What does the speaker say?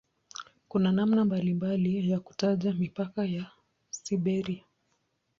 Kuna namna mbalimbali ya kutaja mipaka ya "Siberia".